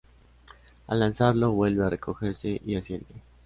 Al lanzarlo, vuelve a recogerse y asciende.